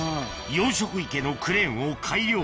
養殖池のクレーンを改良